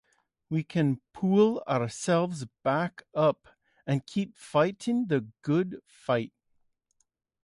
We can pull ourselves back up and keep fighting the good fight.